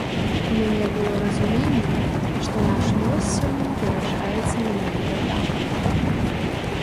У мяне было разуменне, што наш лёс сёння вырашаецца менавіта там.